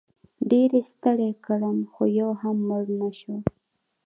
ډېر یې ستړی کړم خو یو هم مړ نه شو.